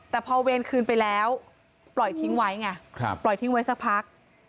แต่พอเวรคืนไปแล้วปล่อยทิ้งไว้ไงปล่อยทิ้งไว้สักพัก